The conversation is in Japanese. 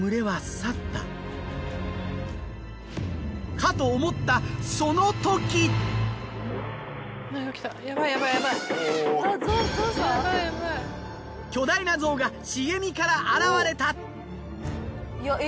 かと思った巨大なゾウが茂みから現れた。